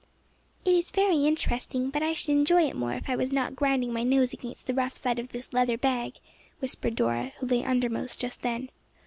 "It is very interesting, but I should enjoy it more if I was not grinding my nose against the rough side of this leather bag," whispered Dora, who lay undermost just then.